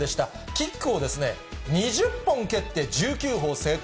キックを２０本蹴って１９本成功。